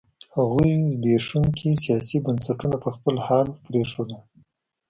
هغوی زبېښونکي سیاسي بنسټونه په خپل حال پرېښودل.